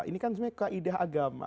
ini kan sebenarnya kaidah agama